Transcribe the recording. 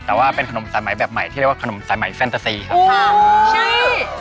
แต่ว่าเป็นขนมสายใหม่แบบใหม่ที่เรียกว่าขนมสายใหม่แฟนเตอร์ซีครับชื่อ